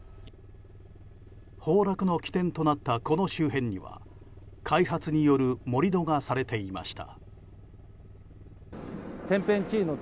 崩落の起点となったこの周辺には開発による盛り土がされていました。